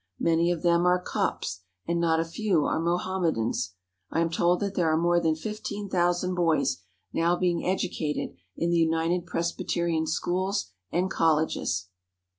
Many of them are Copts and not a few are Mohammedans. I am told that there are more than fifteen thousand boys now being educated in the United Presbyterian schools and colleges.